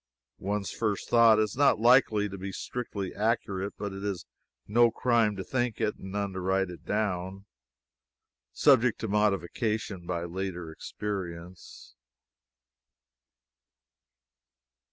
One's first thought is not likely to be strictly accurate, yet it is no crime to think it and none to write it down, subject to modification by later experience.